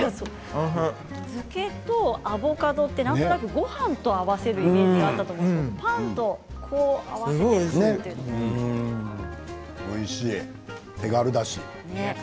漬けとアボカドってなんとなく、ごはんと合わせるイメージだったんですけどおいしい、手軽だし。